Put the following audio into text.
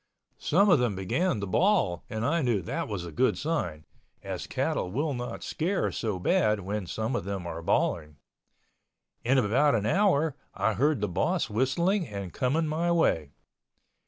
Some of them began to bawl and I knew that was a good sign, as cattle will not scare so bad when some of them are bawling. In about an hour I heard the boss whistling and coming my way.